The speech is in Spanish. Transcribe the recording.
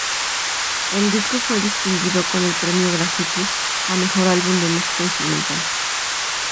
El disco fue distinguido con el Premio Graffiti a mejor álbum de música instrumental.